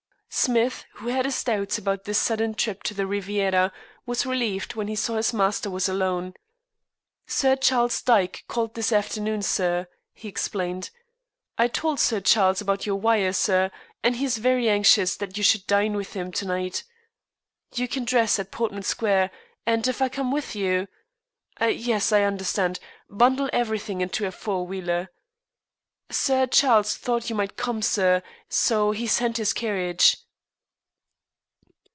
Smith, who had his doubts about this sudden trip to the Riviera, was relieved when he saw his master was alone. "Sir Charles Dyke called this afternoon, sir," he explained. "I told Sir Charles about your wire, sir, and he is very anxious that you should dine with him to night. You can dress at Portman Square, and if I come with you " "Yes; I understand. Bundle everything into a four wheeler." "Sir Charles thought you might come, sir, so he sent his carriage."